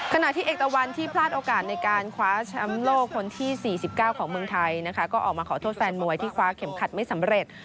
ขณะที่เอกตะวันที่พลาดโอกาสในการคว้าแชมป์โลกคนที่๔๙ของเมืองไทยนะคะก็ออกมาขอโทษแฟนมวยที่คว้าเข็มขัดไม่สำเร็จ